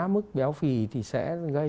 mức béo phi thì sẽ gây